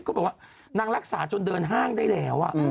บอกว่านางรักษาจนเดินห้างได้แล้ว